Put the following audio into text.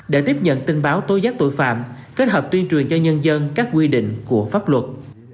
để tiếp nhận tin báo tối giác tội phạm kết hợp tuyên truyền cho nhân dân các quy định của pháp luật